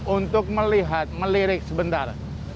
untuk melihat melirik sebentar